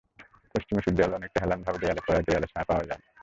পশ্চিমে সূর্যের আলো অনেকটা হেলানভাবে দেয়ালে পড়ায় দেয়ালে ছায়া পাওয়া যায় না।